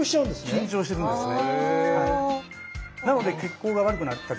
緊張してるんですね。